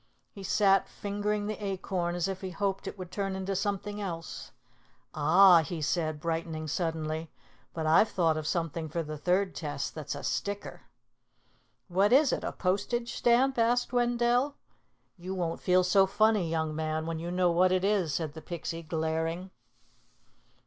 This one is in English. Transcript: He sat fingering the acorn as if he hoped it would turn into something else. "Ah!" he said, brightening suddenly. "But I've thought of something for the third test that's a sticker." "What is it? A postage stamp?" asked Wendell. "You won't feel so funny, young man, when you know what it is," said the Pixie, glaring.